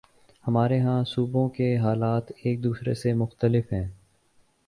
ہمارے ہاں صوبوں کے حالات ایک دوسرے سے مختلف ہیں۔